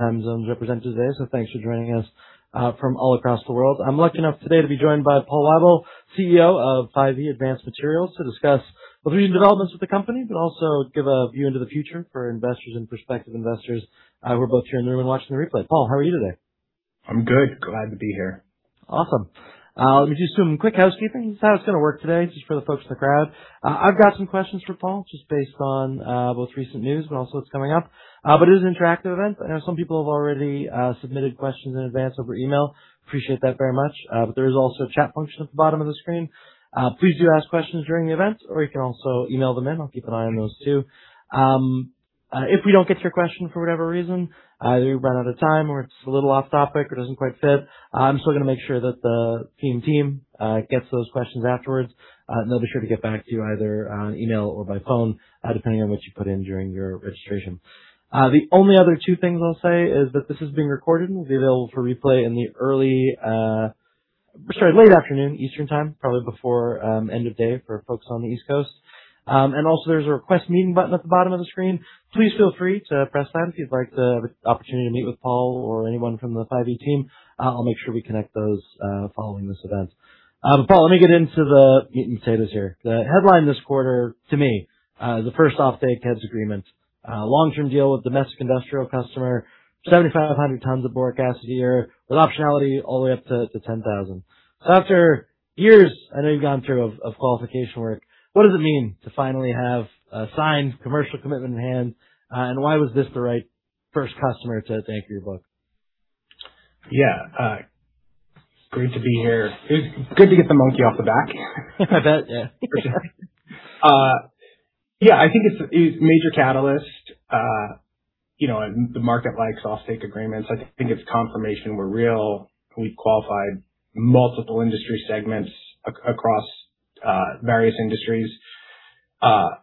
Time zones represented today. Thanks for joining us from all across the world. I'm lucky enough today to be joined by Paul Weibel, CEO of 5E Advanced Materials, to discuss the recent developments with the company, but also give a view into the future for investors and prospective investors who are both here in the room and watching the replay. Paul, how are you today? I'm good. Glad to be here. Awesome. Let me do some quick housekeeping. This is how it's going to work today, just for the folks in the crowd. I've got some questions for Paul, just based on both recent news, but also what's coming up. It is an interactive event. I know some people have already submitted questions in advance over email. Appreciate that very much. There is also a chat function at the bottom of the screen. Please do ask questions during the event, or you can also email them in. I'll keep an eye on those, too. If we don't get to your question for whatever reason, either we've run out of time or it's a little off-topic or doesn't quite fit, I'm still going to make sure that the team gets those questions afterwards. They'll be sure to get back to you either on email or by phone, depending on what you put in during your registration. The only other two things I'll say is that this is being recorded and will be available for replay in the late afternoon, Eastern time, probably before end of day for folks on the East Coast. There's a request meeting button at the bottom of the screen. Please feel free to press that if you'd like the opportunity to meet with Paul or anyone from the 5E team. I'll make sure we connect those following this event. Paul, let me get into the meat and potatoes here. The headline this quarter, to me, the first offtake heads agreement, long-term deal with domestic industrial customer, 7,500 tons of boric acid a year, with optionality all the way up to 10,000. After years, I know you've gone through of qualification work, what does it mean to finally have a signed commercial commitment in hand? And why was this the right first customer to take your book? Yeah. Great to be here. Good to get the monkey off the back. I bet, yeah. For sure. Yeah, I think it's a major catalyst. The market likes offtake agreements. I think it's confirmation we're real. We've qualified multiple industry segments across various industries. I'd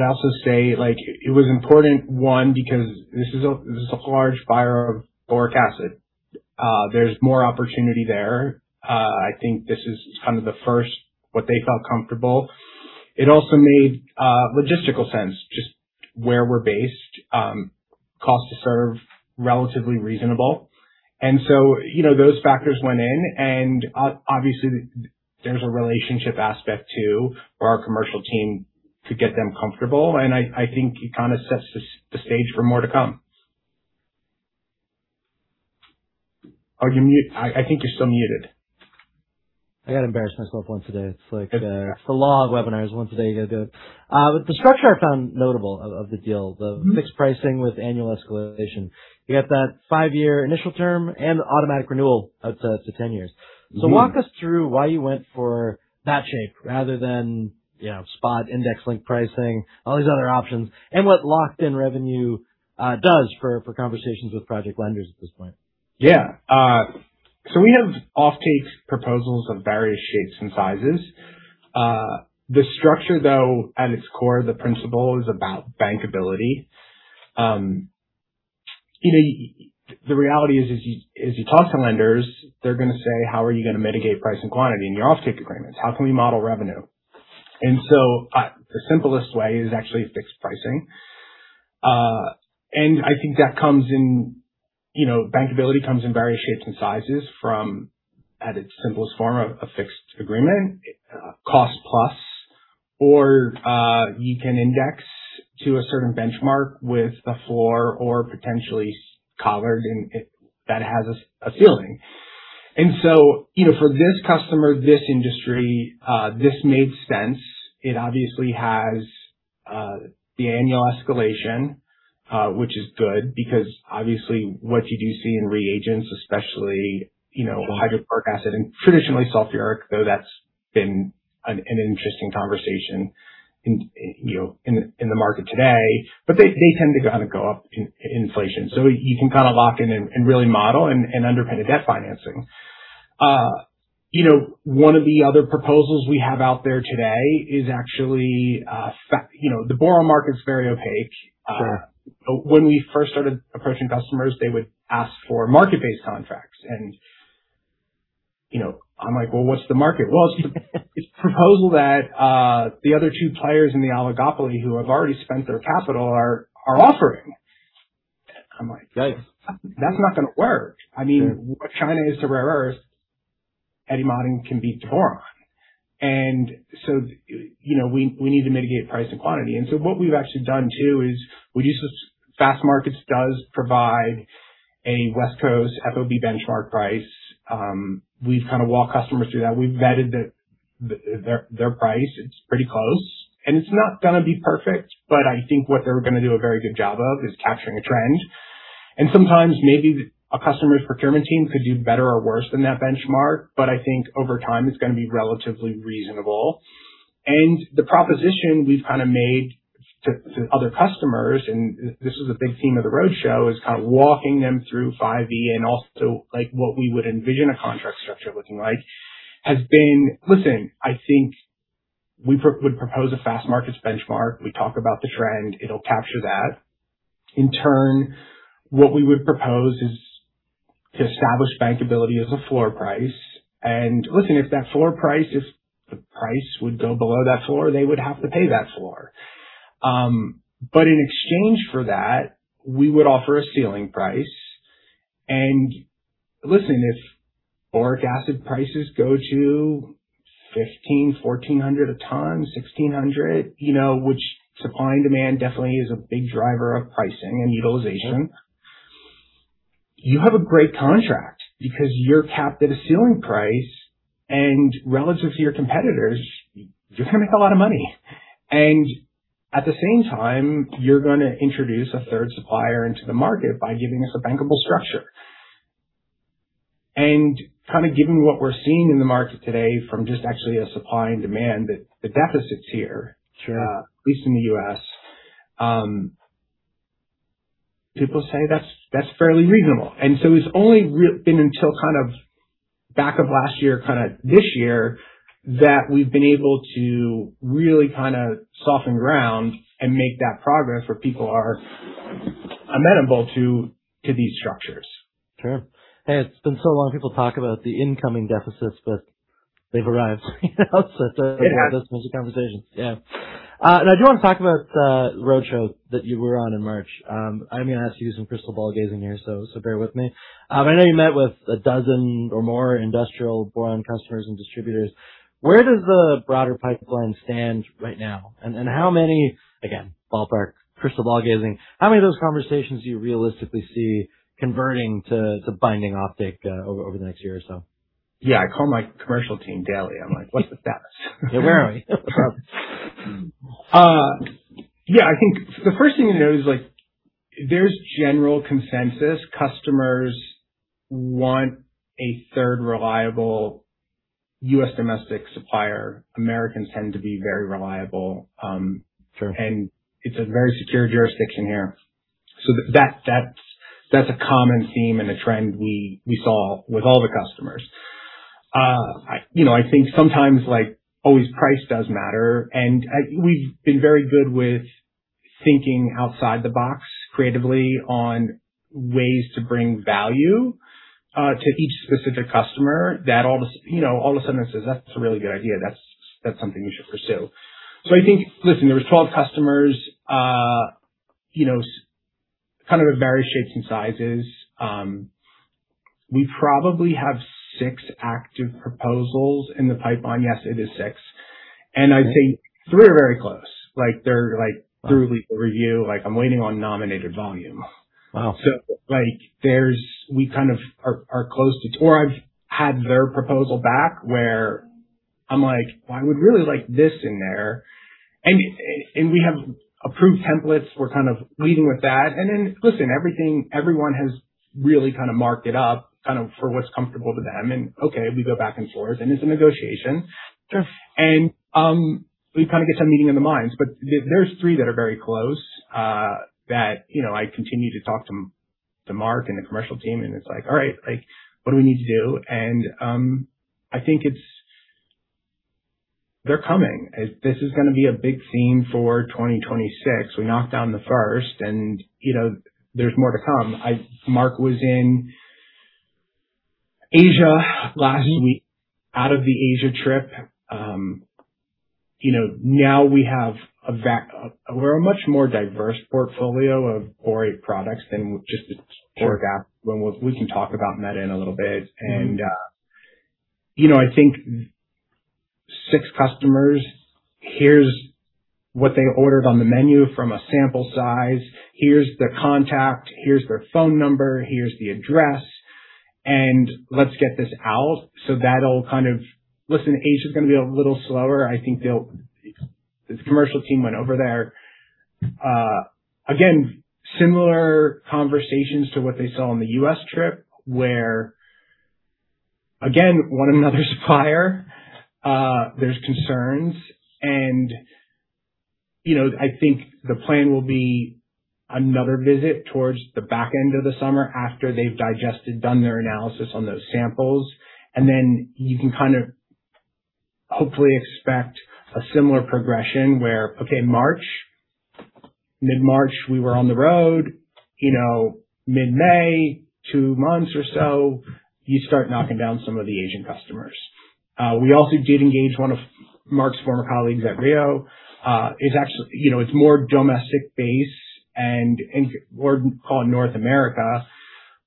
also say, it was important, one, because this is a large buyer of boric acid. There's more opportunity there. I think this is the first, what they felt comfortable. It also made logistical sense, just where we're based, cost to serve, relatively reasonable. Those factors went in. Obviously, there's a relationship aspect, too, for our commercial team to get them comfortable. I think it kind of sets the stage for more to come. Are you mute? I think you're still muted. I got to embarrass myself once a day. It's a long webinar. Once a day, you got to do it. The structure I found notable of the deal, the fixed pricing with annual escalation. You got that five-year initial term and automatic renewal out to 10 years. Walk us through why you went for that shape rather than spot-index-linked pricing, all these other options, and what locked-in revenue does for conversations with project lenders at this point. Yeah. We have offtake proposals of various shapes and sizes. The structure, though, at its core, the principle is about bankability. The reality is, as you talk to lenders, they're going to say, "How are you going to mitigate price and quantity in your offtake agreements? How can we model revenue?" The simplest way is actually fixed pricing. I think bankability comes in various shapes and sizes from, at its simplest form, a fixed agreement, cost plus, or you can index to a certain benchmark with a floor or potentially collared, and that has a ceiling. For this customer, this industry, this made sense. It obviously has the annual escalation, which is good because obviously what you do see in reagents, especially hydrofluoric acid and traditionally sulfuric, though that's been an interesting conversation in the market today, they tend to go up in inflation. You can lock in and really model and underpin a debt financing. One of the other proposals we have out there today is actually, the boron market's very opaque. Sure. When we first started approaching customers, they would ask for market-based contracts. I'm like, "What's the market?" "It's the proposal that the other two players in the oligopoly who have already spent their capital are offering." I'm like. Yikes That's not going to work. Sure. What China is to rare earth, Eti Maden can be to boron. We need to mitigate price and quantity. What we've actually done too is we use, Fastmarkets does provide a West Coast FOB benchmark price. We've walked customers through that. We've vetted their price. It's pretty close. It's not going to be perfect, but I think what they're going to do a very good job of is capturing a trend. Sometimes, maybe a customer's procurement team could do better or worse than that benchmark, but I think over time, it's going to be relatively reasonable. The proposition we've made to other customers, and this was a big theme of the roadshow, is walking them through 5E and also what we would envision a contract structure looking like, has been, listen, I think we would propose a Fastmarkets benchmark. We talk about the trend, it'll capture that. What we would propose is to establish bankability as a floor price. If the price would go below that floor, they would have to pay that floor. In exchange for that, we would offer a ceiling price, if boric acid prices go to $1,500, $1,400 a ton, $1,600, which supply and demand definitely is a big driver of pricing and utilization. You have a great contract because you're capped at a ceiling price, and relative to your competitors, you're going to make a lot of money. At the same time, you're going to introduce a third supplier into the market by giving us a bankable structure. Given what we're seeing in the market today from just actually a supply and demand, the deficit's here. Sure. At least in the U.S. People say that's fairly reasonable. It's only really been until back of last year, this year that we've been able to really soften ground and make that progress where people are amenable to these structures. Sure. Hey, it's been so long people talk about the incoming deficits, but they've arrived. Yeah. That's most of the conversation. Yeah. I do want to talk about the roadshow that you were on in March. I'm going to have to use some crystal ball gazing here, so bear with me. I know you met with 12 or more industrial boron customers and distributors. Where does the broader pipeline stand right now? How many, again, ballpark, crystal ball gazing, how many of those conversations do you realistically see converting to binding offtake over the next year or so? Yeah, I call my commercial team daily. I'm like, "What's the status?" Apparently. I think the first thing to note is there's general consensus. Customers want a third reliable U.S. domestic supplier. Americans tend to be very reliable. Sure. It's a very secure jurisdiction here. That's a common theme and a trend we saw with all the customers. I think sometimes always price does matter, and we've been very good with thinking outside the box creatively on ways to bring value to each specific customer that all of a sudden says, "That's a really good idea. That's something you should pursue." I think, listen, there was 12 customers, kind of various shapes and sizes. We probably have six active proposals in the pipeline. Yes, it is six. I'd say three are very close. They're through legal review. I'm waiting on nominated volume. Wow. We kind of are close to or I've had their proposal back where I'm like, "Well, I would really like this in there." We have approved templates. We're kind of leading with that. Then, listen, everyone has really marked it up for what's comfortable to them. Okay, we go back and forth, and it's a negotiation. Sure. We kind of get some meeting of the minds, but there's three that are very close that I continue to talk to Mark Zamek and the commercial team, and it's like, "All right, what do we need to do?" I think they're coming. This is going to be a big theme for 2026. We knocked down the first, and there's more to come. Mark was in Asia last week. Out of the Asia trip, now we have a much more diverse portfolio of borate products than just the boric acid. We can talk about that in a little bit. I think six customers, here's what they ordered on the menu from a sample size. Here's the contact. Here's their phone number. Here's the address, and let's get this out. That'll kind of Listen, Asia is going to be a little slower. I think the commercial team went over there. Similar conversations to what they saw on the U.S. trip, where again, want another supplier. There's concerns, I think the plan will be another visit towards the back end of the summer after they've digested, done their analysis on those samples. You can kind of hopefully expect a similar progression where, okay, March, mid-March, we were on the road, mid-May, two months or so, you start knocking down some of the Asian customers. We also did engage one of Mark's former colleagues at Rio. It's more domestic based, and we're calling North America,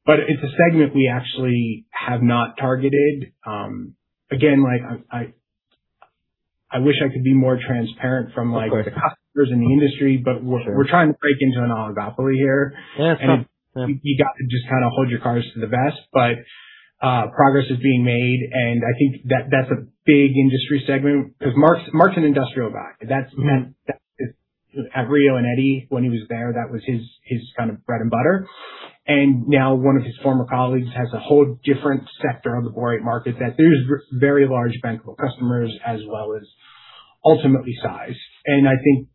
but it's a segment we actually have not targeted. I wish I could be more transparent from the customers in the industry, but we're trying to break into an oligopoly here. Yeah. You got to just kind of hold your cards to the vest. Progress is being made. I think that's a big industry segment because Mark's an industrial guy. At Rio Tinto and Eti Maden, when he was there, that was his kind of bread and butter. Now one of his former colleagues has a whole different sector of the borate market that there's very large bankable customers as well as ultimately size. I think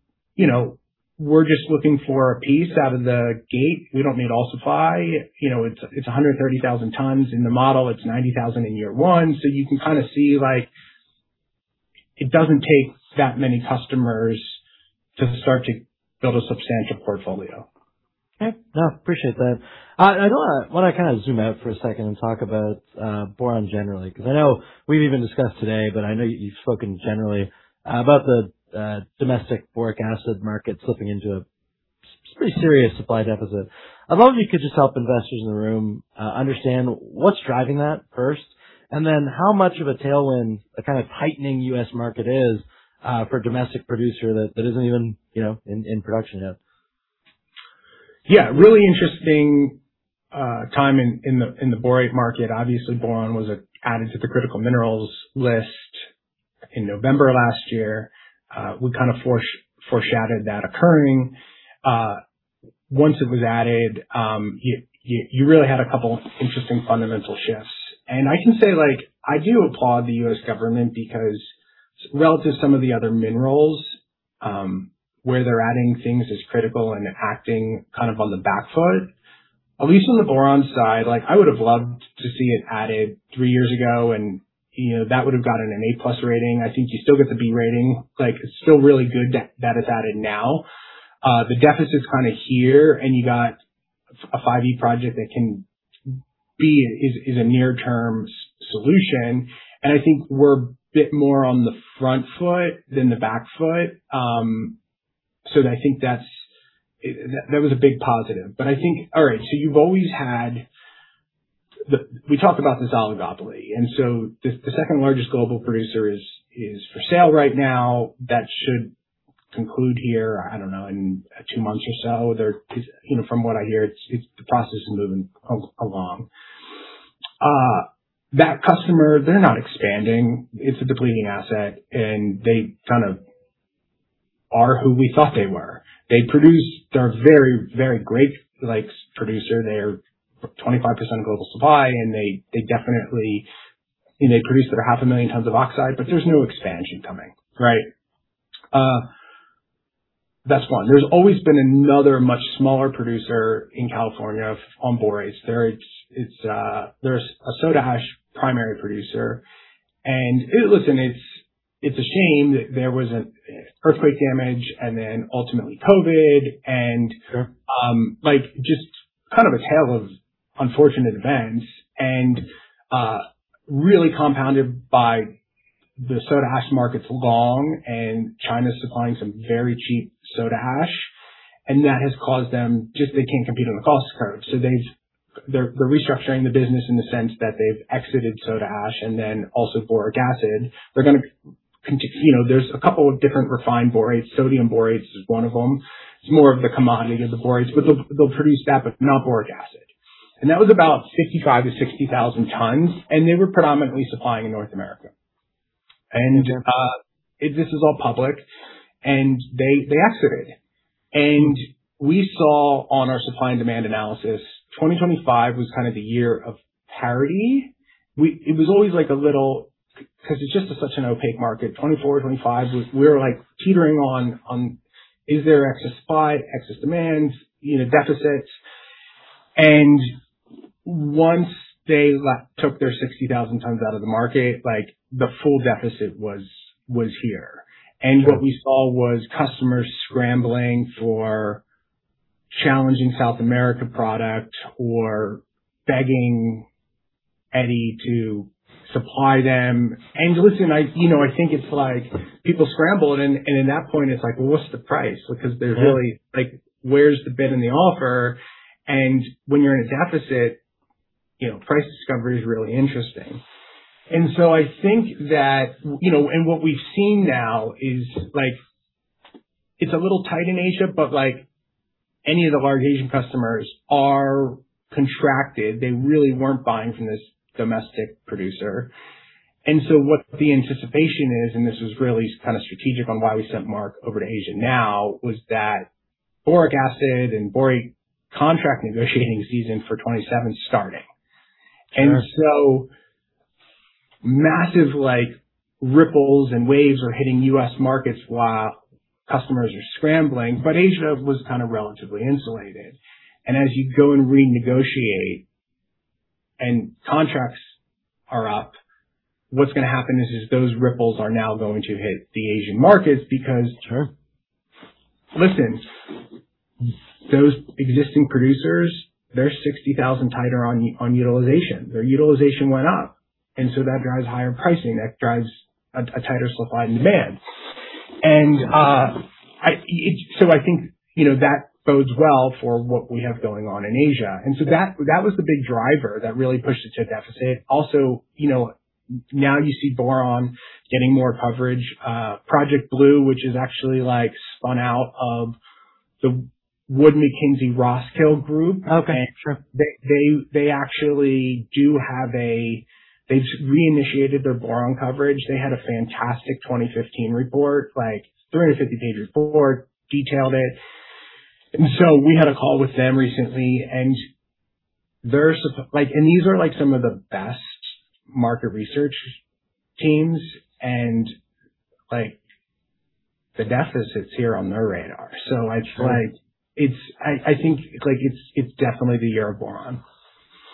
we're just looking for a piece out of the gate. We don't need all supply. It's 130,000 tons in the model. It's 90,000 in year one. You can kind of see. It doesn't take that many customers to start to build a substantial portfolio. Okay. No, appreciate that. I want to zoom out for a second and talk about boron generally, because I know we've even discussed today, but I know you've spoken generally about the domestic boric acid market slipping into a pretty serious supply deficit. I'd love if you could just help investors in the room understand what's driving that first, and then how much of a tailwind a kind of tightening U.S. market is for a domestic producer that isn't even in production yet. Yeah. Really interesting time in the borate market. Obviously, boron was added to the List of Critical Minerals in November last year. We foreshadowed that occurring. Once it was added, you really had a couple interesting fundamental shifts. I can say, I do applaud the U.S. government because relative to some of the other minerals, where they're adding things as critical and acting on the back foot, at least on the boron side, I would've loved to see it added three years ago, and that would've gotten an A+ rating. I think you still get the B rating. It's still really good that it's added now. The deficit's here. You got a 5E project that is a near-term solution. I think we're a bit more on the front foot than the back foot. I think that was a big positive. I think, all right, you've always had. We talked about this oligopoly. The second-largest global producer is for sale right now. That should conclude here, I don't know, in two months or so. From what I hear, the process is moving along. That customer, they're not expanding. It's a depleting asset. They kind of are who we thought they were. They're a very Great Lakes producer. They are 25% of global supply. They definitely produce their half a million tons of oxide, but there's no expansion coming, right? That's one. There's always been another much smaller producer in California on borates. There's a soda ash primary producer. Listen, it's a shame that there was an earthquake damage and then ultimately COVID. Sure Just a tale of unfortunate events, and really compounded by the soda ash market's long and China's supplying some very cheap soda ash, and that has caused them, just they can't compete on the cost curve. They're restructuring the business in the sense that they've exited soda ash and then also boric acid. There's a couple of different refined borates. sodium borate is one of them. It's more of the commodity of the borates, but they'll produce that, but not boric acid. That was about 65,000 tons-60,000 tons, and they were predominantly supplying in North America. Okay. This is all public, and they exited. We saw on our supply and demand analysis, 2025 was the year of parity. Because it's just such an opaque market, 2024, 2025, we were teetering on is there excess supply, excess demand, deficits. Once they took their 60,000 tons out of the market, the full deficit was here. Sure. What we saw was customers scrambling for challenging South America product or begging Eti Maden to supply them. Listen, I think it's like people scrambled, and at that point, it's like, well, what's the price? Yeah Like, where's the bid and the offer? When you're in a deficit, price discovery is really interesting. What we've seen now is it's a little tight in Asia, but any of the large Asian customers are contracted. They really weren't buying from this domestic producer. What the anticipation is, and this was really strategic on why we sent Mark over to Asia now, was that boric acid and borate contract negotiating season for 2027's starting. Sure. Massive ripples and waves are hitting U.S. markets while customers are scrambling. Asia was relatively insulated. As you go and renegotiate and contracts are up, what's going to happen is those ripples are now going to hit the Asian markets. Sure listen, those existing producers, they're 60,000 tighter on utilization. Their utilization went up, and so that drives higher pricing. That drives a tighter supply and demand. Sure. I think that bodes well for what we have going on in Asia. That was the big driver that really pushed it to a deficit. Also, now you see boron getting more coverage. Project Blue, which is actually spun out of the Wood Mackenzie Roskill Group. Okay. Sure. They reinitiated their boron coverage. They had a fantastic 2015 report, 350-page report, detailed it. We had a call with them recently, and these are some of the best market research teams, and like, the deficit's here on their radar. I think it's definitely the year of boron.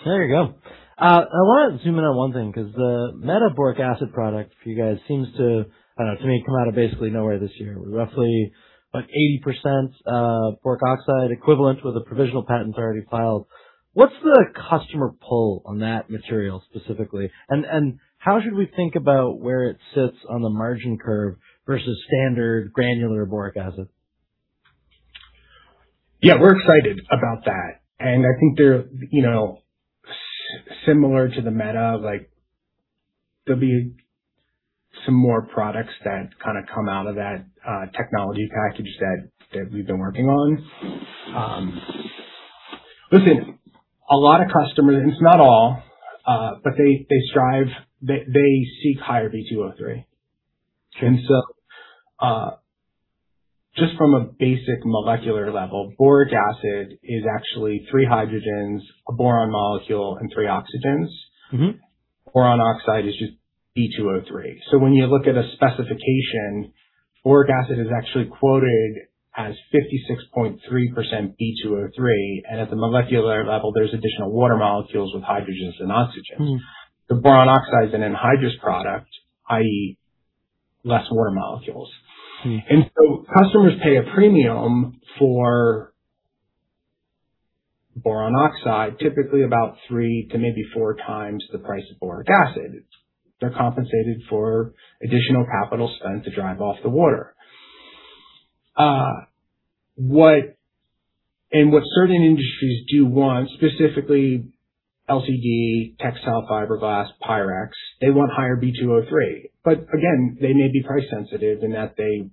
There you go. I want to zoom in on one thing, because the metaboric acid product for you guys seems to, I don't know, to me, come out of basically nowhere this year. Roughly, about 80% boric oxide equivalent with a provisional patent already filed. What's the customer pull on that material specifically? How should we think about where it sits on the margin curve versus standard granular boric acid? Yeah, we're excited about that. I think similar to the meta, there'll be some more products that come out of that technology package that we've been working on. Listen, a lot of customers, it's not all, but they seek higher B2O3. Okay. Just from a basic molecular level, boric acid is actually three hydrogens, a boron molecule, and three oxygens. Boron oxide is just B2O3. When you look at a specification, boric acid is actually quoted as 56.3% B2O3. At the molecular level, there's additional water molecules with hydrogens and oxygens. The boron oxide is an anhydrous product, i.e., less water molecules. Customers pay a premium for boron oxide, typically about 3x to maybe 4x the price of boric acid. They're compensated for additional capital spent to drive off the water. What certain industries do want, specifically LCD, textile fiberglass, Pyrex, they want higher B2O3. Again, they may be price sensitive in that they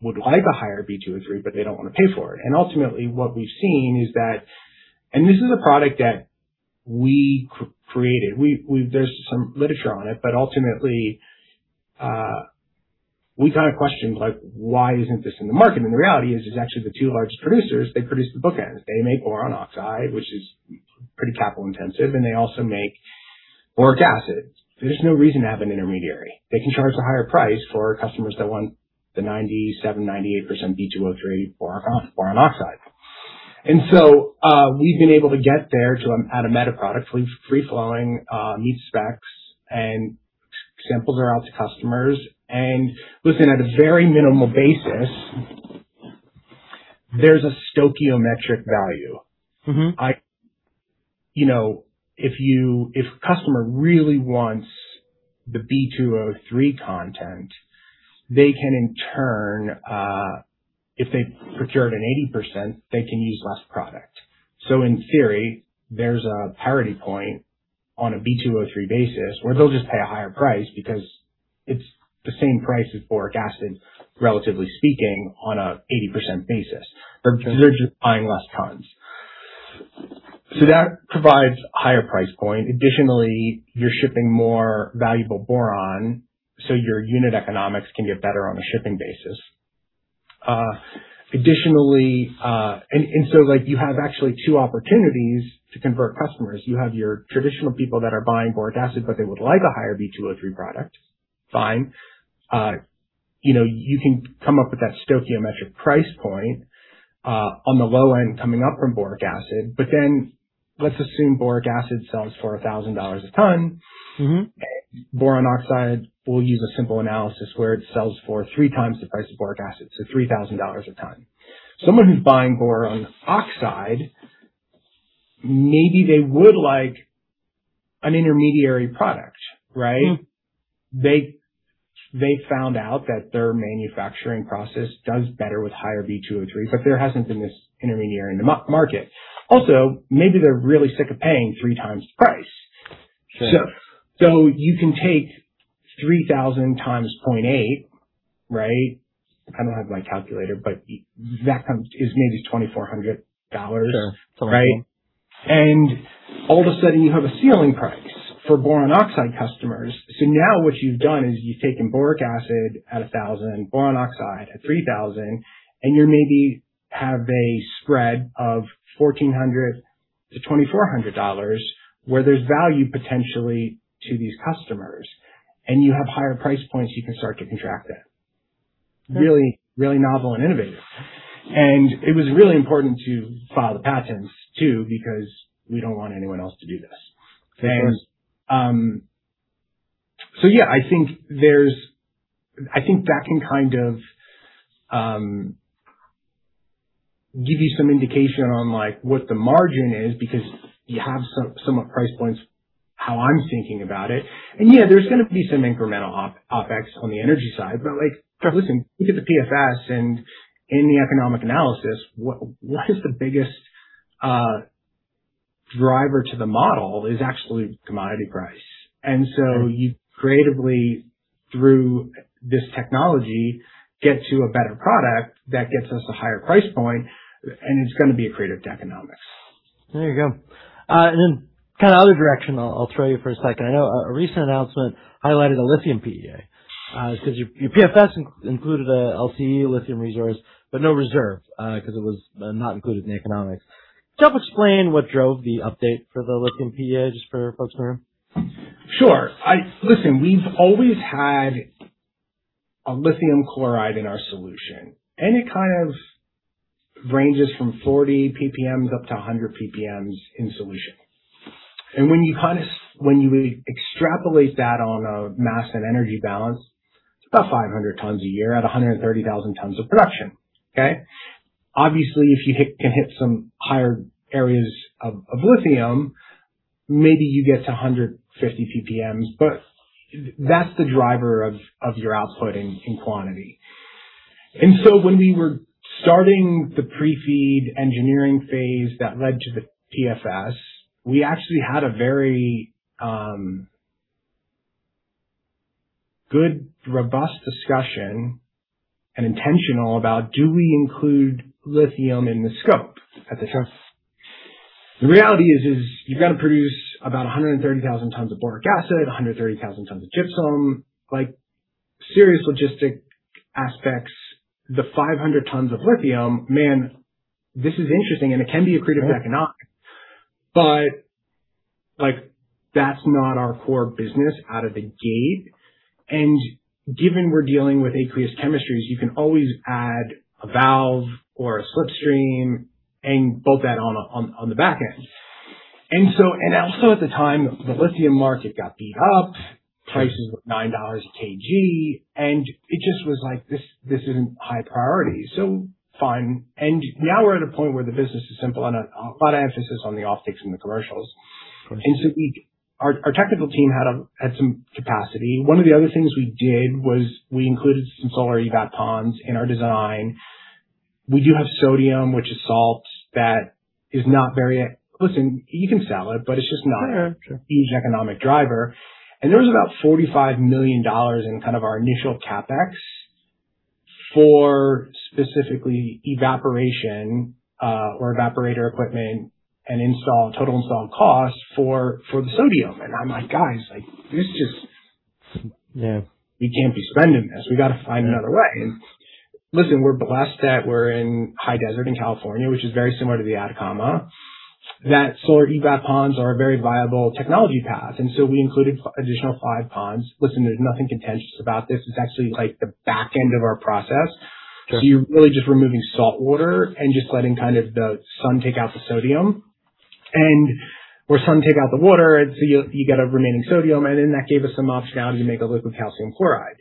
would like a higher B2O3, but they don't want to pay for it. Ultimately, what we've seen is that this is a product that we created. There's some literature on it, but ultimately, we questioned, why isn't this in the market? The reality is actually the two large producers, they produce the bookends. They make boron oxide, which is pretty capital intensive, and they also make boric acid. There's no reason to have an intermediary. They can charge a higher price for customers that want the 97%-98% B2O3 boron oxide. We've been able to get there at a meta product, free-flowing, meets specs, and samples are out to customers. Listen, at a very minimal basis, there's a stoichiometric value. If a customer really wants the B2O3 content, if they've procured a 80%, they can use less product. In theory, there's a parity point on a B2O3 basis where they'll just pay a higher price because it's the same price as boric acid, relatively speaking, on a 80% basis. They're just buying less tons. That provides a higher price point. Additionally, you're shipping more valuable boron, so your unit economics can get better on a shipping basis. You have actually two opportunities to convert customers. You have your traditional people that are buying boric acid, but they would like a higher B2O3 product. Fine. You can come up with that stoichiometric price point, on the low end coming up from boric acid. Let's assume boric acid sells for $1,000 a ton. Boron oxide, we'll use a simple analysis where it sells for 3x the price of boric acid, so $3,000 a ton. Someone who's buying boron oxide, maybe they would like an intermediary product, right? They found out that their manufacturing process does better with higher B2O3, but there hasn't been this intermediary in the market. Maybe they're really sick of paying 3x the price. Sure. You can take 3,000 x 0.8, right? I don't have my calculator, but that is maybe $2,400. Sure. Right. All of a sudden, you have a ceiling price for boron oxide customers. Now what you've done is you've taken boric acid at $1,000, boron oxide at $3,000, you maybe have a spread of $1,400-$2,400 where there's value potentially to these customers. You have higher price points you can start to contract at. Really novel and innovative. It was really important to file the patents too, because we don't want anyone else to do this. Of course. Yeah, I think that can give you some indication on what the margin is because you have somewhat price points, how I'm thinking about it. Yeah, there's going to be some incremental OpEx on the energy side. Listen, look at the PFS and in the economic analysis, what is the biggest driver to the model is actually commodity price. You creatively, through this technology, get to a better product that gets us a higher price point, and it's going to be accretive to economics. There you go. Other direction I'll throw you for a second. I know a recent announcement highlighted a Lithium PEA. Your PFS included a LCE lithium resource, but no reserve, because it was not included in the economics. Jeff Hunt explained what drove the update for the Lithium PEA, just for folks to remember. Sure. Listen, we've always had a lithium chloride in our solution, and it kind of ranges from 40 PPMs up to 100 PPMs in solution. When you extrapolate that on a mass and energy balance, it's about 500 tons a year at 130,000 tons of production. Okay? Obviously, if you can hit some higher areas of lithium, maybe you get to 150 PPMs, but that's the driver of your output in quantity. When we were starting the pre-FEED engineering phase that led to the PFS, we actually had a very good, robust discussion and intentional about do we include lithium in the scope at the PFS. The reality is, you've got to produce about 130,000 tons of boric acid, 130,000 tons of gypsum, like serious logistic aspects. The 500 tons of lithium, man, this is interesting, and it can be accretive economic. That's not our core business out of the gate. Given we're dealing with aqueous chemistries, you can always add a valve or a slipstream and bolt that on the back end. Also at the time, the lithium market got beat up. Prices were $9 a kg, and it just was like, this isn't high priority, so fine. Now we're at a point where the business is simple and a lot of emphasis on the offtakes and the commercials. Sure. Our technical team had some capacity. One of the other things we did was we included some solar evaporation ponds in our design. We do have sodium, which is salt that is not very. Listen, you can sell it, but it's just not Yeah, sure. the economic driver. There was about $45 million in our initial CapEx for specifically evaporation or evaporator equipment and total installed cost for the sodium. I'm like, "Guys, this just. Yeah. We can't be spending this. We got to find another way." Listen, we're blessed that we're in High Desert in California, which is very similar to the Atacama, that solar evaporation ponds are a very viable technology path. We included additional five ponds. Listen, there's nothing contentious about this. It's actually the back end of our process. Sure. You're really just removing salt water and just letting the sun take out the sodium, and where sun take out the water. You get a remaining sodium, and then that gave us some optionality to make a liquid calcium chloride.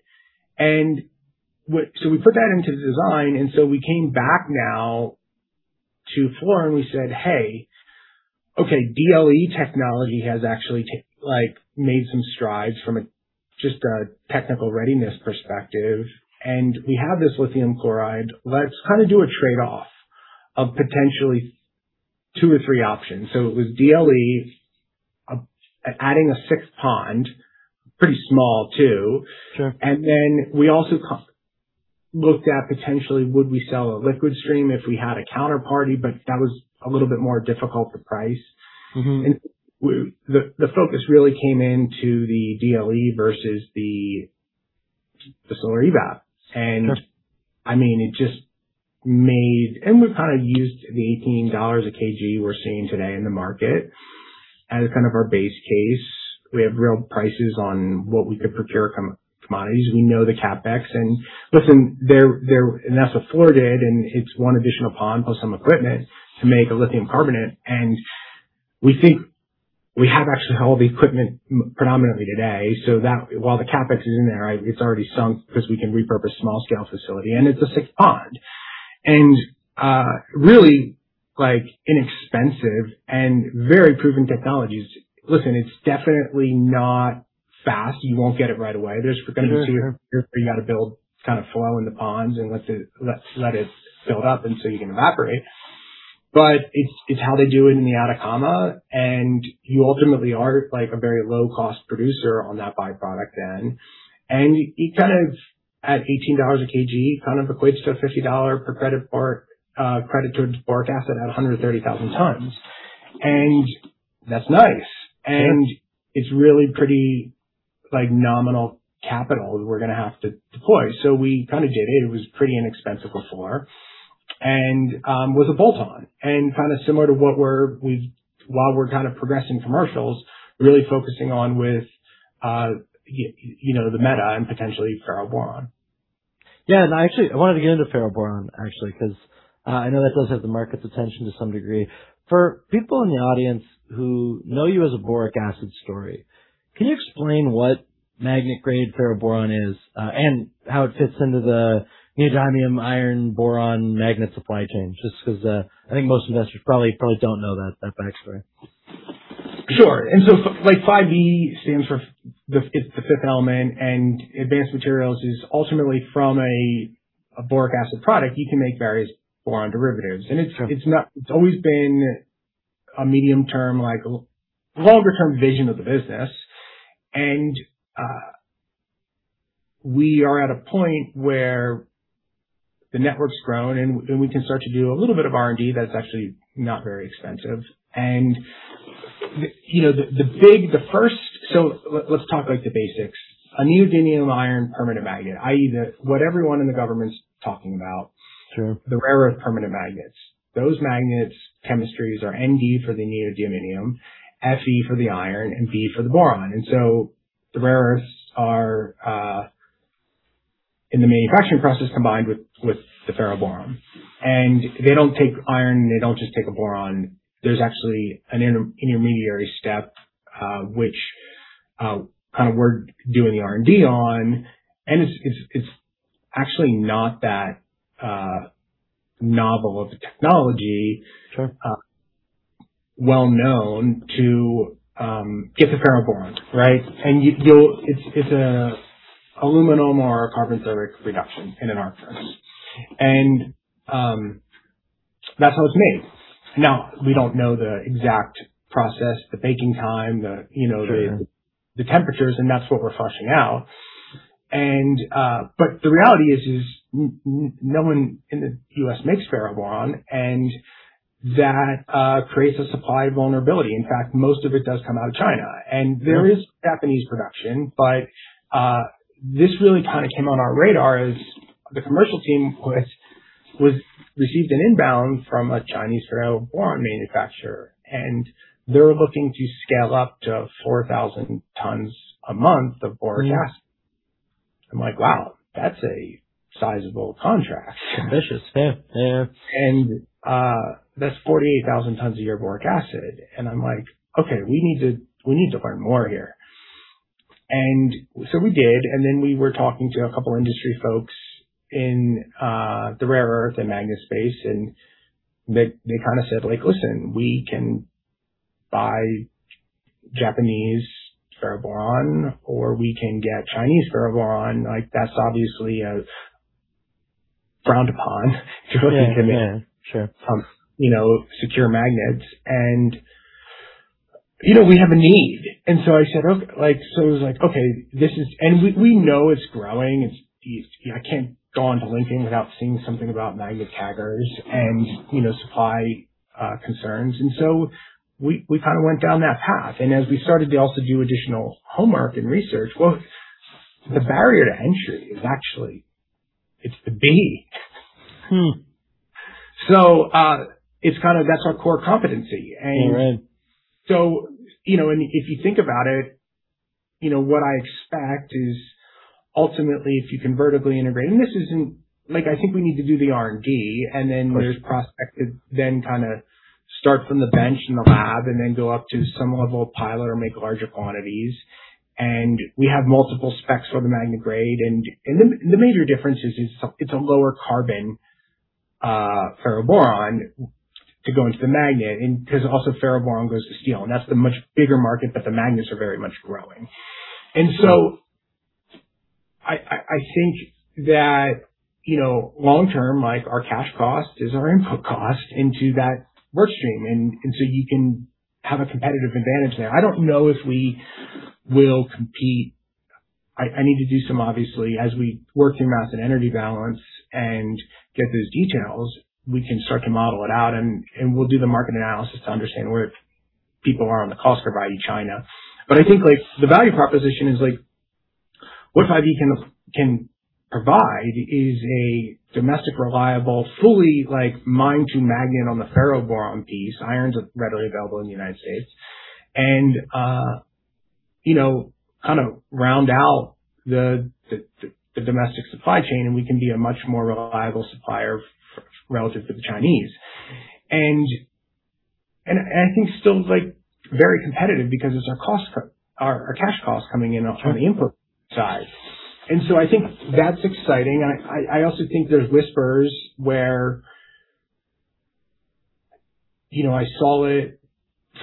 We put that into the design, and so we came back now to Fluor. We said, "Hey. Okay, DLE technology has actually made some strides from just a technical readiness perspective. We have this lithium chloride. Let's do a trade-off of potentially two or three options." It was DLE adding a sixth pond, pretty small too. Sure. We also looked at potentially would we sell a liquid stream if we had a counterparty, but that was a little bit more difficult to price. The focus really came into the DLE versus the solar evaporation ponds. Sure. We've used the $18 a kg we're seeing today in the market as our base case. We have real prices on what we could procure commodities. We know the CapEx, and that's afforded, and it's one additional pond plus some equipment to make a lithium carbonate. We think we have actually all the equipment predominantly today, so that while the CapEx is in there, it's already sunk because we can repurpose small-scale facility, and it's a sixth pond. Really inexpensive and very proven technologies. Listen, it's definitely not fast. You won't get it right away. Sure You've got to build flow in the ponds and let it build up, and so you can evaporate. It's how they do it in the Atacama, and you ultimately are a very low-cost producer on that byproduct then. It at $18 a kg, equates to a $50 per credit toward boric acid at 130,000 tons. That's nice. Sure. It's really pretty nominal capital we're going to have to deploy. We did it. It was pretty inexpensive before and was a bolt-on. Similar to while we're progressing commercials, really focusing on with the meta and potentially ferroboron. Yeah. I wanted to get into ferroboron actually because I know that does have the market's attention to some degree. For people in the audience who know you as a boric acid story, can you explain what magnet-grade ferroboron is and how it fits into the neodymium iron boron magnet supply chain? Just because I think most investors probably don't know that backstory. Sure. 5E stands for the, it's the fifth element, and Advanced Materials is ultimately from a boric acid product. You can make various boron derivatives. Sure. It's always been a medium-term, longer-term vision of the business. We are at a point where the network's grown, and we can start to do a little bit of R&D that is actually not very expensive. Let's talk the basics. A neodymium iron boron permanent magnet, i.e., what everyone in the government's talking about. Sure. The rarest permanent magnets. Those magnets chemistries are Nd for the neodymium, Fe for the iron, and B for the boron. The rare earths are, in the manufacturing process, combined with the ferroboron. They don't take iron, they don't just take a boron. There's actually an intermediary step, which we're doing the R&D on, and it's actually not that novel of a technology, Sure well-known to get the ferroboron. It's aluminum or carbon thermic reduction in an electric arc furnace. That's how it's made. Now, we don't know the exact process, the baking time. Sure The temperatures, that's what we're flushing out. The reality is, no one in the U.S. makes ferroboron, and that creates a supply vulnerability. In fact, most of it does come out of China. Yeah. There is Japanese production, but this really came on our radar as the commercial team received an inbound from a Chinese ferroboron manufacturer, and they were looking to scale up to 4,000 tons a month of boric acid. I'm like, "Wow, that's a sizable contract." Ambitious. Yeah. That's 48,000 tons a year of boric acid. I'm like, "Okay, we need to learn more here." So we did, and then we were talking to a couple industry folks in the rare earth and magnet space, and they said, "Listen, we can buy Japanese ferroboron, or we can get Chinese ferroboron. That's obviously frowned upon. Yeah. Sure Secure magnets, we have a need." It was like, "Okay, we know it's growing. I can't go onto LinkedIn without seeing something about magnet CAGRs and supply concerns." We went down that path. As we started to also do additional homework and research, well, the barrier to entry is actually, it's the B. That's our core competency. All right. If you think about it, what I expect is ultimately, if you can vertically integrate, I think we need to do the R&D, and then there's prospect to then start from the bench in the lab and then go up to some level of pilot or make larger quantities. We have multiple specs for the magnet grade. The major difference is it's a lower carbon ferroboron to go into the magnet because also ferroboron goes to steel, and that's the much bigger market, but the magnets are very much growing. I think that long-term, our cash cost is our input cost into that work stream, and so you can have a competitive advantage there. I don't know if we will compete. I need to do some, obviously, as we work through mass and energy balance and get those details, we can start to model it out, and we'll do the market analysis to understand where people are on the cost curve, i.e., China. I think the value proposition is what 5E can provide is a domestic, reliable, fully mine-to-magnet on the ferroboron piece. Irons are readily available in the United States. Round out the domestic supply chain, and we can be a much more reliable supplier relative to the Chinese. I think still very competitive because it's our cash costs coming in on the input side. I think that's exciting. I also think there's whispers where, I saw it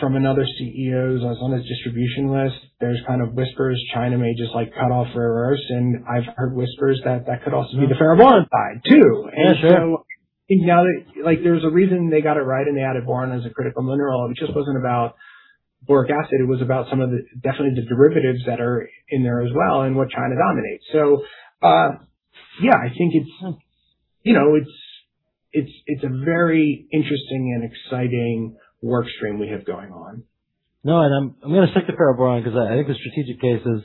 from another CEO. I was on his distribution list. There's whispers China may just cut off rare earths. I've heard whispers that that could also be the ferroboron side, too. Yeah. Sure. There's a reason they got it right and they added boron as a critical mineral. It just wasn't about boric acid. It was about some of the, definitely the derivatives that are in there as well and what China dominates. Yeah, I think it's a very interesting and exciting work stream we have going on. No, I'm going to stick to ferroboron because I think the strategic case is,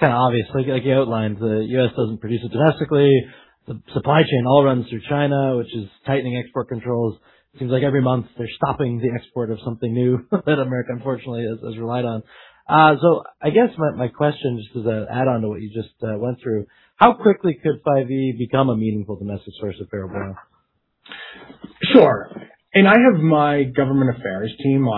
it's obvious. Like you outlined, the U.S. doesn't produce it domestically. The supply chain all runs through China, which is tightening export controls. It seems like every month they're stopping the export of something new that America unfortunately has relied on. I guess my question, just as an add-on to what you just went through, how quickly could 5E become a meaningful domestic source of ferroboron? Sure. I have my government affairs team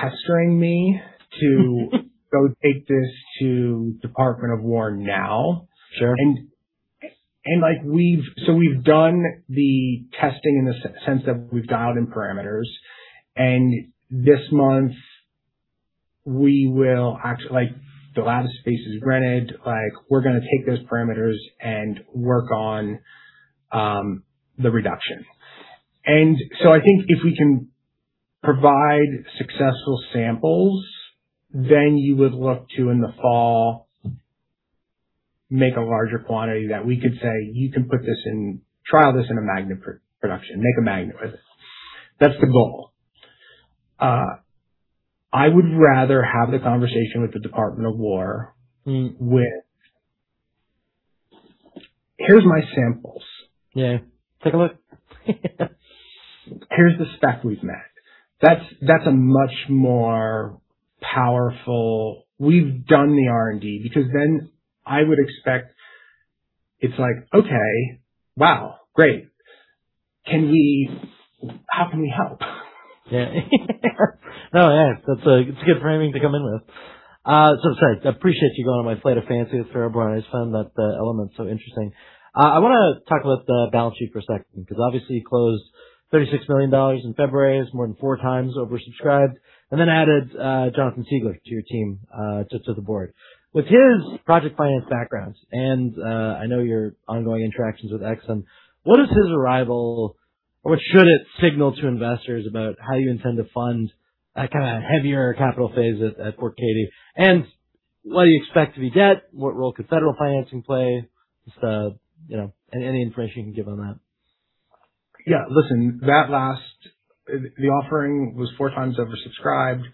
pestering me to go take this to Department of Defense now. Sure. We've done the testing in the sense that we've dialed in parameters. This month, the lab space is rented. We're going to take those parameters and work on the reduction. I think if we can provide successful samples, then you would look to in the fall make a larger quantity that we could say, "You can trial this in a magnet production. Make a magnet with it." That's the goal. I would rather have the conversation with the Department of Defense. Here's my samples. Yeah. Take a look. Here's the spec we've met. That's a much more powerful, we've done the R&D because then I would expect it's like, "Okay. Wow, great. How can we help? Yeah. No, yeah. That's good framing to come in with. Sorry. I appreciate you going on my flight of fancy with ferroboron. I just found that element so interesting. I want to talk about the balance sheet for a second, because obviously you closed $36 million in February. It was more than 4x oversubscribed. Added Jonathan Siegler to your team, to the board. With his project finance background and I know your ongoing interactions with EXIM, what is his arrival or what should it signal to investors about how you intend to fund that kind of heavier capital phase at Fort Cady? What do you expect to be debt? What role could federal financing play? Just any information you can give on that. Listen, the offering was 4x oversubscribed.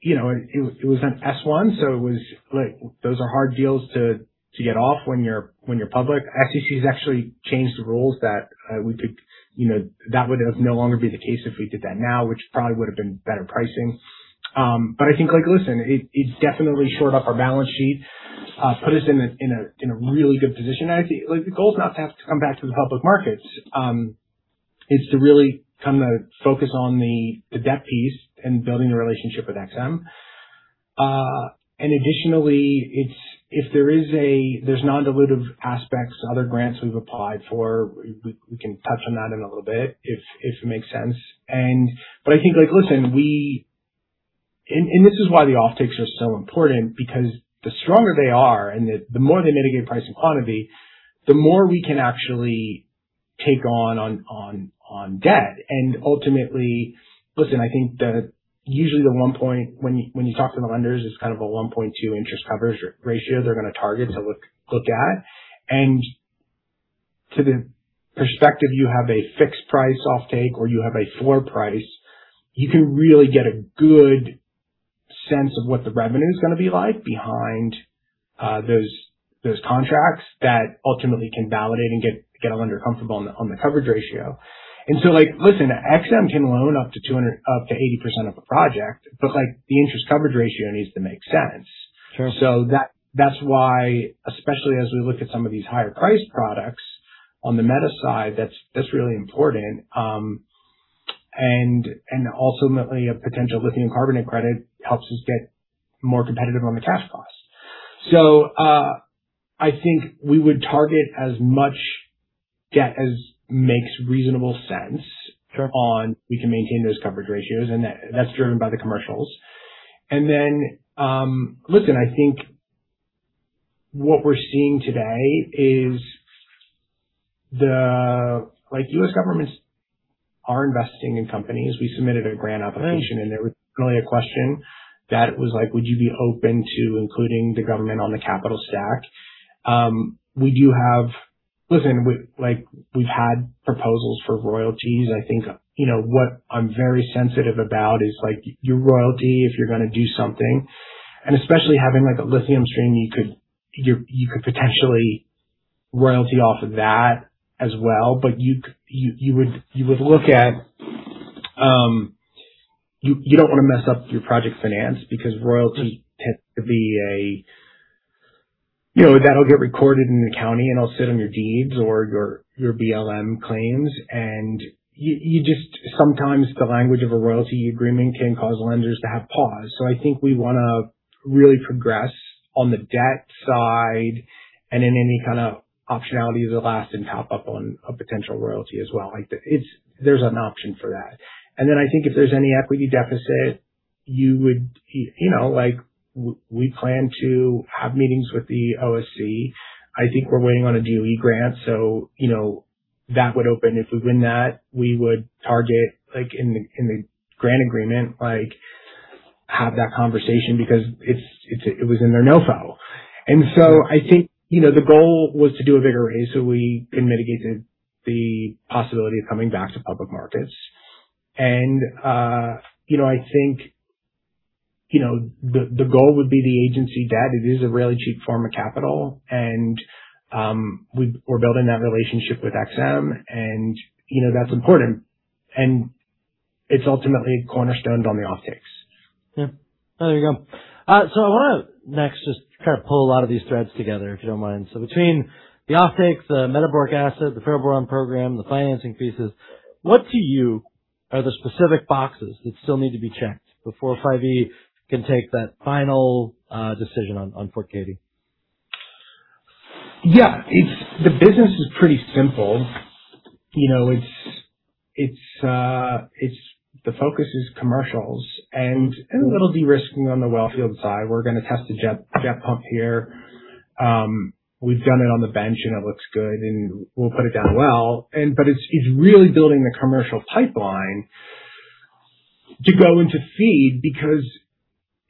It was an S-1, those are hard deals to get off when you're public. SEC has actually changed the rules that would no longer be the case if we did that now, which probably would've been better pricing. I think, listen, it definitely shored up our balance sheet, put us in a really good position. I think the goal is not to have to come back to the public markets. It's to really focus on the debt piece and building the relationship with EXIM. Additionally, if there's non-dilutive aspects, other grants we've applied for, we can touch on that in a little bit if it makes sense. I think, listen, this is why the offtakes are so important because the stronger they are and the more they mitigate price and quantity, the more we can actually take on debt. Ultimately, listen, I think usually when you talk to the lenders, it's kind of a 1.2 interest coverage ratio they're going to target to look at. To the perspective you have a fixed price offtake or you have a floor price, you can really get a good sense of what the revenue's going to be like behind those contracts that ultimately can validate and get a lender comfortable on the coverage ratio. Listen, EXIM can loan up to 80% of a project, but the interest coverage ratio needs to make sense. Sure. That's why, especially as we look at some of these higher priced products on the meta side, that's really important. Ultimately a potential lithium carbonate credit helps us get more competitive on the cash costs. I think we would target as much debt as makes reasonable sense. Sure. -on we can maintain those coverage ratios and that's driven by the commercials. Listen, I think what we're seeing today is the U.S. governments are investing in companies. We submitted a grant application and there was really a question that was like, "Would you be open to including the government on the capital stack?" Listen, we've had proposals for royalties. I think what I'm very sensitive about is your royalty if you're going to do something, and especially having a lithium stream, you could potentially royalty off of that as well. You don't want to mess up your project finance because royalty tends to be. That'll get recorded in the county and it'll sit on your deeds or your BLM claims, and sometimes the language of a royalty agreement can cause lenders to have pause. I think we want to really progress on the debt side and in any kind of optionality as a last and top-up on a potential royalty as well. There's an option for that. I think if there's any equity deficit, we plan to have meetings with the OSC. I think we're waiting on a DOE grant, that would open if we win that. We would target in the grant agreement, have that conversation because it was in their NOFO. I think the goal was to do a bigger raise so we can mitigate the possibility of coming back to public markets. I think the goal would be the agency debt. It is a really cheap form of capital and we're building that relationship with EXIM and that's important. It's ultimately cornerstoned on the offtakes. Yeah. There you go. I want to next just kind of pull a lot of these threads together, if you don't mind. Between the offtakes, the metaboric acid, the ferroboron program, the financing pieces, what to you are the specific boxes that still need to be checked before 5E can take that final decision on Fort Cady? The business is pretty simple. The focus is commercials and a little de-risking on the well-field side. We're going to test a jet pump here. We've done it on the bench and it looks good, and we'll put it down the well. It's really building the commercial pipeline to go into FEED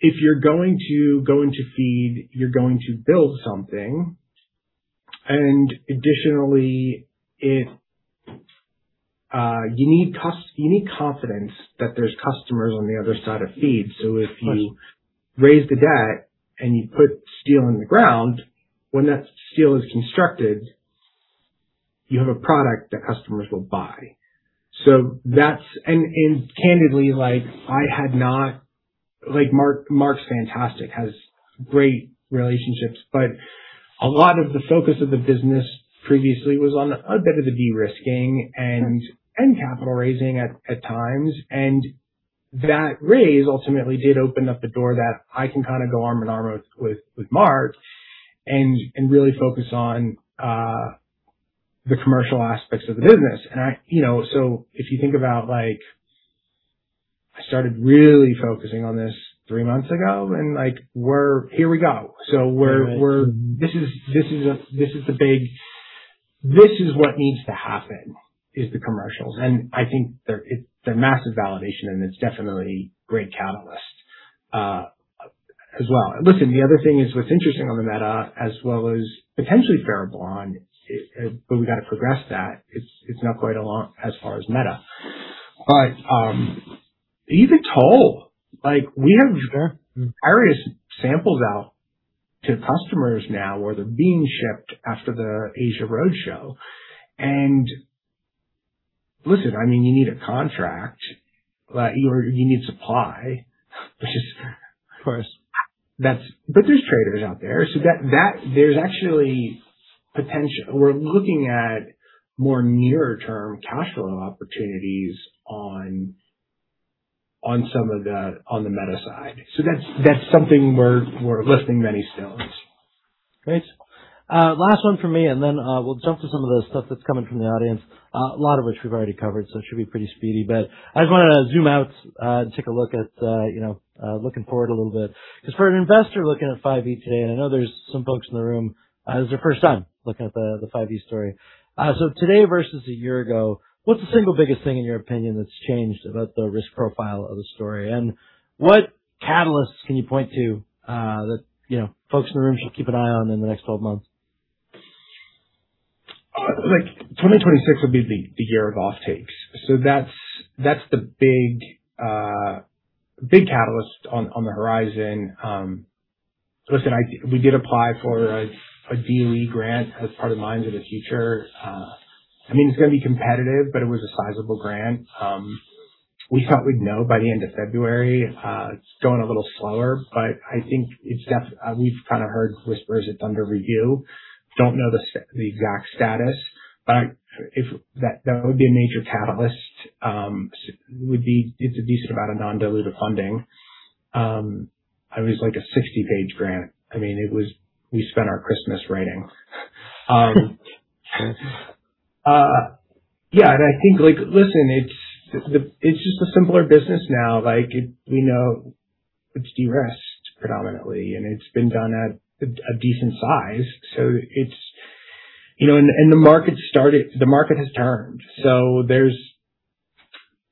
because if you're going to go into FEED, you're going to build something. Additionally, you need confidence that there's customers on the other side of FEED. Of course. If you raise the debt and you put steel in the ground, when that steel is constructed, you have a product that customers will buy. Candidly, Mark's fantastic, has great relationships, but a lot of the focus of the business previously was on a bit of the de-risking and capital raising at times. That raise ultimately did open up the door that I can go arm-in-arm with Mark and really focus on the commercial aspects of the business. If you think about, I started really focusing on this three months ago, and here we go. Right. This is what needs to happen, is the commercials. I think they're massive validation, and it's definitely great catalyst as well. Listen, the other thing is what's interesting on the meta as well as potentially ferroboron, but we've got to progress that. It's not quite along as far as meta. Even toll, we have various samples out to customers now, or they're being shipped after the Asia Roadshow. Listen, you need a contract, or you need supply, which is. Of course. There's traders out there. There's actually potential. We're looking at more nearer-term cash flow opportunities on the meta side. That's something we're lifting many stones. Great. Last one from me, then we'll jump to some of the stuff that's coming from the audience. A lot of which we've already covered, it should be pretty speedy. I just want to zoom out and take a look at looking forward a little bit. For an investor looking at 5E today, and I know there's some folks in the room, this is their first time looking at the 5E story. Today versus a year ago, what's the single biggest thing, in your opinion, that's changed about the risk profile of the story? What catalysts can you point to that folks in the room should keep an eye on in the next 12 months? 2026 would be the year of offtakes. That's the big catalyst on the horizon. Listen, we did apply for a DOE grant as part of Mine of the Future. It's going to be competitive, but it was a sizable grant. We thought we'd know by the end of February. It's going a little slower, but I think we've heard whispers it's under review. Don't know the exact status, but that would be a major catalyst. It's a decent amount of non-dilutive funding. It was like a 60-page grant. We spent our Christmas writing. Sure. Yeah. I think, listen, it's just a simpler business now. It's de-risked predominantly, and it's been done at a decent size. The market has turned, so there's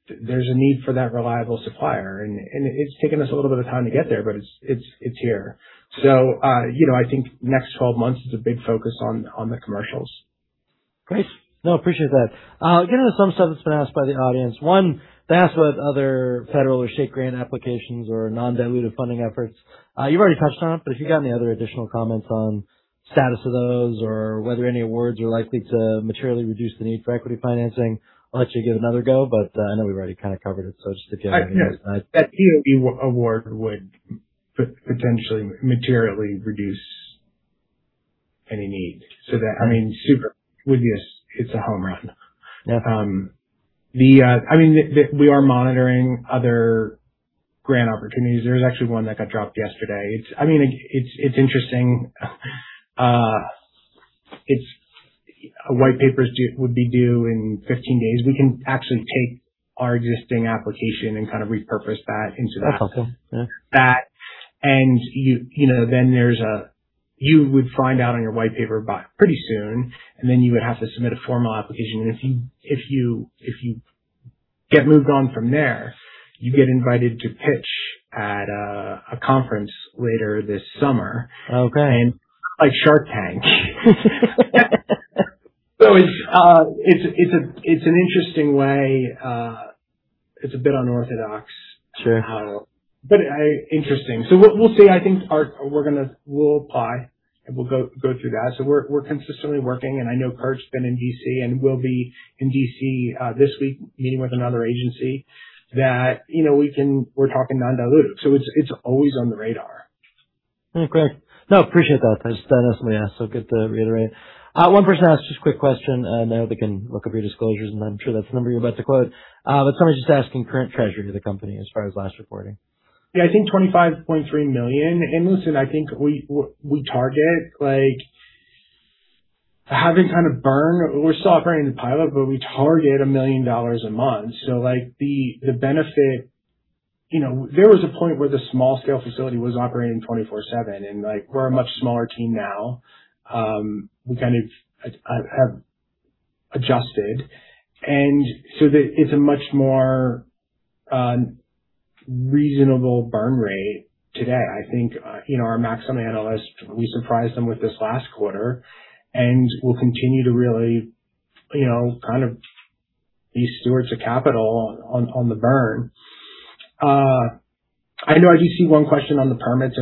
a need for that reliable supplier, and it's taken us a little bit of time to get there, but it's here. I think the next 12 months is a big focus on the commercials. Great. No, appreciate that. Getting into some stuff that's been asked by the audience. One, they asked what other federal or state grant applications or non-dilutive funding efforts. You've already touched on it, but if you got any other additional comments on status of those or whether any awards are likely to materially reduce the need for equity financing, I'll let you give it another go, but I know we've already covered it. That DOE award would potentially materially reduce any need. That, super, it's a home run. Yeah. We are monitoring other grant opportunities. There was actually one that got dropped yesterday. It is interesting. A white paper would be due in 15 days. We can actually take our existing application and repurpose that into that. That's helpful. Yeah. You would find out on your white paper pretty soon, and then you would have to submit a formal application. If you get moved on from there, you get invited to pitch at a conference later this summer. Okay. Like Shark Tank. It's an interesting way. It's a bit unorthodox. Sure. Interesting. We'll see. I think we'll apply, and we'll go through that. We're consistently working, and I know Curt Hébert, Jr.'s been in D.C., and will be in D.C. this week meeting with another agency that we're talking non-dilutive. It's always on the radar. Okay. No, appreciate that. That's definitely asked, good to reiterate. One person asked just a quick question, I know they can look up your disclosures, I'm sure that's the number you're about to quote. Somebody's just asking current treasury of the company as far as last reporting. Yeah, I think $25.3 million. Listen, I think we target, having burn, we're still operating in pilot, but we target $1 million a month. The benefit, there was a point where the small scale facility was operating 24/7, and we're a much smaller team now. We have adjusted, it's a much more reasonable burn rate today. I think our maximum analyst, we surprised them with this last quarter, we'll continue to really be stewards of capital on the burn. I know I do see one question on the permits,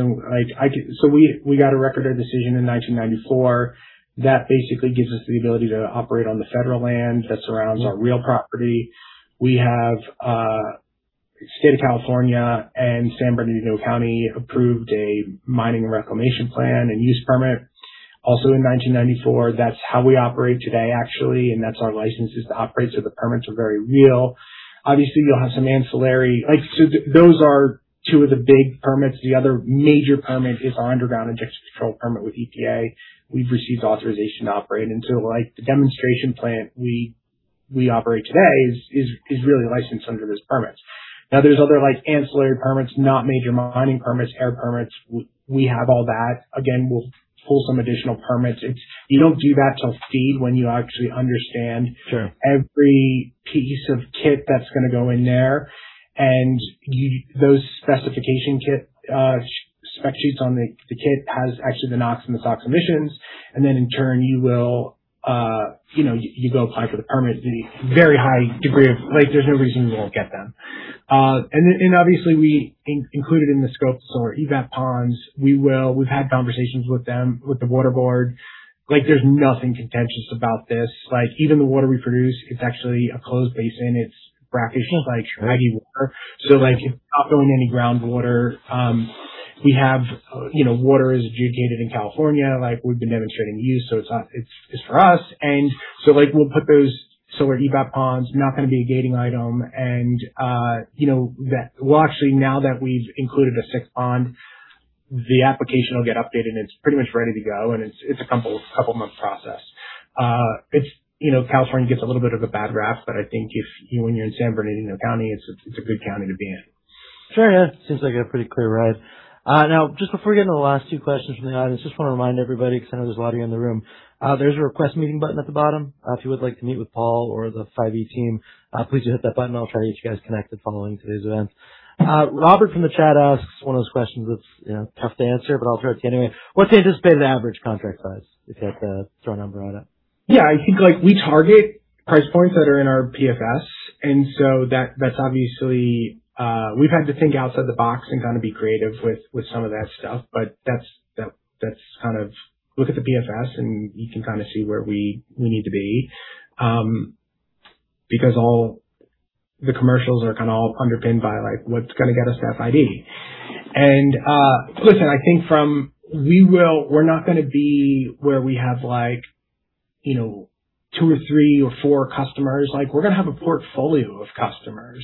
we got a Record of Decision in 1994 that basically gives us the ability to operate on the federal land that surrounds our real property. We have, State of California and San Bernardino County approved a mining and reclamation plan and use permit also in 1994. That's how we operate today, actually, and that's our license is to operate, so the permits are very real. Obviously, you'll have some ancillary. Those are two of the big permits. The other major permit is our Underground Injection Control permit with EPA. We've received authorization to operate. The demonstration plant we operate today is really licensed under this permit. There's other ancillary permits, not major mining permits, air permits. We have all that. Again, we'll pull some additional permits. You don't do that till FEED when you actually understand Sure every piece of kit that's going to go in there, those specification spec sheets on the kit has actually the NOx and the SOx emissions, then in turn you go apply for the permits. There's no reason you won't get them. Obviously we included in the scope solar evaporation ponds. We've had conversations with them, with the water board. There's nothing contentious about this. Even the water we produce, it's actually a closed basin. It's brackish, like soggy water. It's not going in any groundwater. Water is adjudicated in California, like we've been demonstrating use, it's for us, we'll put those solar evaporation ponds, not going to be a gating item. Well actually now that we've included a sixth pond, the application will get updated, and it's pretty much ready to go, and it's a couple of months process. California gets a little bit of a bad rap, but I think when you're in San Bernardino County, it's a good county to be in. Fair enough. Seems like a pretty clear ride. Just before we get into the last two questions from the audience, just want to remind everybody, because I know there's a lot of you in the room. There's a request meeting button at the bottom. If you would like to meet with Paul or the 5E team, please do hit that button. I'll try to get you guys connected following today's event. Robert from the chat asks one of those questions that's tough to answer, but I'll throw it to you anyway. What's the anticipated average contract size, if you had to throw a number on it? Yeah, I think we target price points that are in our PFS, but that's obviously, we've had to think outside the box and be creative with some of that stuff, but that's look at the PFS, and you can see where we need to be. All the commercials are all underpinned by what's going to get us that FID. Listen, I think, we're not going to be where we have two or three or four customers. We're going to have a portfolio of customers.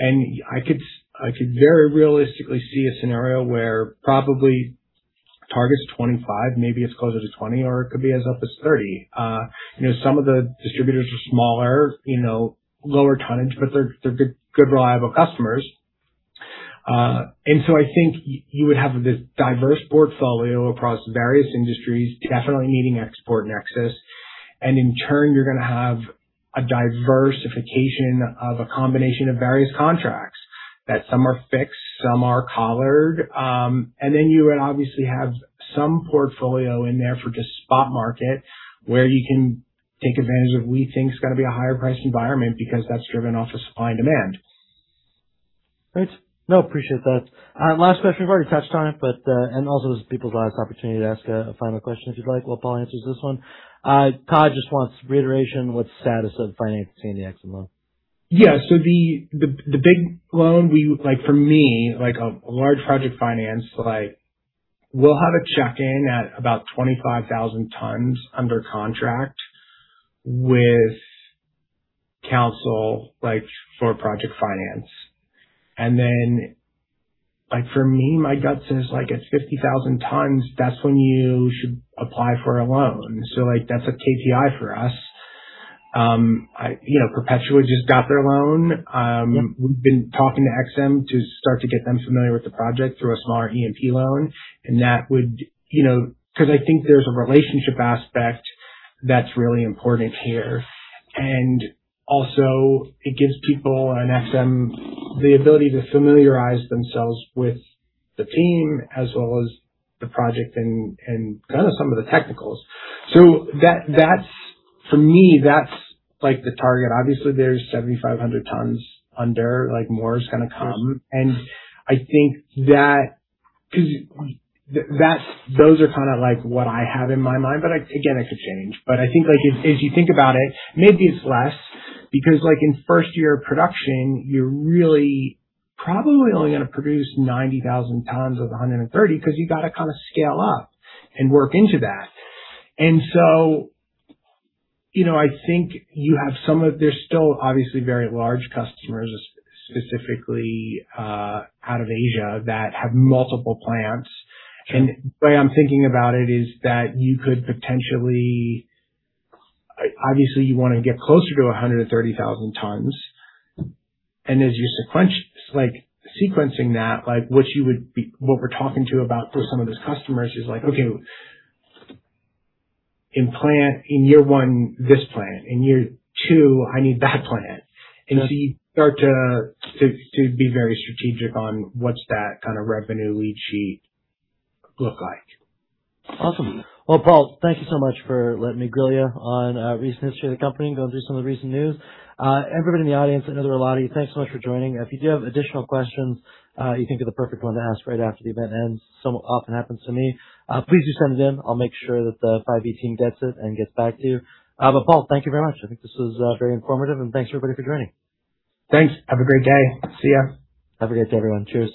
I could very realistically see a scenario where probably target's 25, maybe it's closer to 20, or it could be as up as 30. Some of the distributors are smaller, lower tonnage, but they're good, reliable customers. I think you would have this diverse portfolio across various industries, definitely needing export nexus. In turn, you're going to have a diversification of a combination of various contracts, that some are fixed, some are collared. Then you would obviously have some portfolio in there for just spot market where you can take advantage of we think it's going to be a higher price environment because that's driven off of supply and demand. Great. No, appreciate that. Last question, we've already touched on it. This is people's last opportunity to ask a final question, if you'd like, while Paul answers this one. Todd just wants reiteration what's the status of the financing of the EXIM loan? Yeah, the big loan, for me, a large project finance, we'll have a check-in at about 25,000 tons under contract with counsel for project finance. For me, my gut says it's 50,000 tons, that's when you should apply for a loan. That's a KPI for us. Perpetua Resources just got their loan. We've been talking to EXIM to start to get them familiar with the project through a smaller EMP loan, because I think there's a relationship aspect that's really important here. It gives people and EXIM the ability to familiarize themselves with the team as well as the project and some of the technicals. For me, that's the target. Obviously, there's 7,500 tons under, more is going to come. I think that because those are what I have in my mind, but again, it could change. I think as you think about it, maybe it's less because in first year of production, you're really probably only going to produce 90,000 tons of the 130 because you got to scale up and work into that. I think you have some of, there's still obviously very large customers specifically out of Asia that have multiple plants. The way I'm thinking about it is that you could potentially, obviously you want to get closer to 130,000 tons. As you're sequencing that, what we're talking to about for some of those customers is, okay, in year one, this plant. In year two, I need that plant. You start to be very strategic on what's that kind of revenue lead sheet look like? Awesome. Paul, thank you so much for letting me grill you on recent history of the company and going through some of the recent news. Everybody in the audience, I know there are a lot of you, thanks so much for joining. If you do have additional questions, you think of the perfect one to ask right after the event ends, somewhat often happens to me. Please do send it in. I'll make sure that the 5E team gets it and gets back to you. Paul, thank you very much. I think this was very informative, and thanks everybody for joining. Thanks. Have a great day. See ya. Have a great day, everyone. Cheers.